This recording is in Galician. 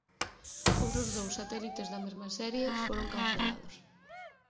Outros dous satélites da mesma serie foron cancelados.